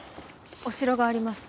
お城があります。